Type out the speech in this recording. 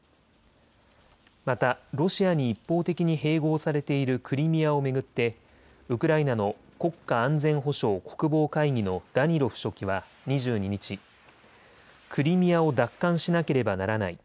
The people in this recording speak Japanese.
またロシアに一方的に併合されているクリミアを巡ってウクライナの国家安全保障・国防会議のダニロフ書記は２２日、クリミアを奪還しなければならない。